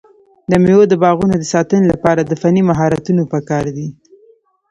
د مېوو د باغونو د ساتنې لپاره د فني مهارتونو پکار دی.